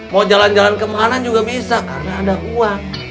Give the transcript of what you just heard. mau jalan jalan kemana juga bisa karena ada uang